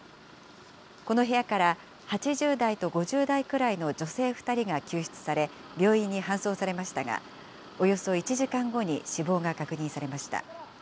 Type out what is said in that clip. この部屋から、８０代と５０代くらいの女性２人が救出され、病院に搬送されましたが、およそ１時間後に死亡が確認されました。